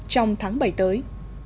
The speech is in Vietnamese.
trong tháng bảy tới